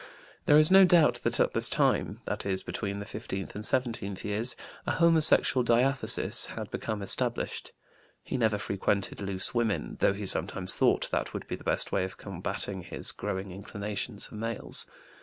There is no doubt that at this time that is, between the fifteenth and seventeenth years a homosexual diathesis had become established. He never frequented loose women, though he sometimes thought that would be the best way of combating his growing inclination for males.